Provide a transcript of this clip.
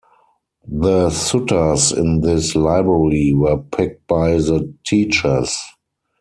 The suttas in this library were picked by the teachers.